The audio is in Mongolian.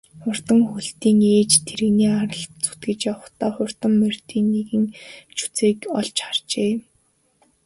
Хурдан хөлтийн ээж тэрэгний аралд зүтгэж явахдаа хурдан морьдын нэгэн жүчээг олж харжээ.